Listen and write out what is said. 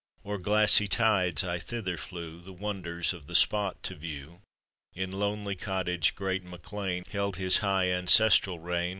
O'er glassy tides I thither flew, The wonders of the spot to view ; In lonely cottage great MacLean Held his high ancestral reign.